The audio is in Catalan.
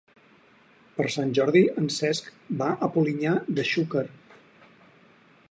Per Sant Jordi en Cesc va a Polinyà de Xúquer.